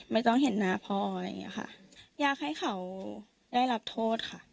ไม่ต้องเห็นหน้าพ่ออะไรอย่างเงี้ยค่ะอยากให้เขาได้รับโทษค่ะ